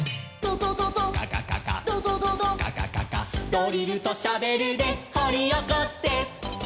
「ドリルとシャベルでほりおこせ」